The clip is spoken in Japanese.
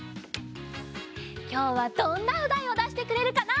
きょうはどんなおだいをだしてくれるかな？